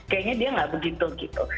kayaknya dia nggak begitu gitu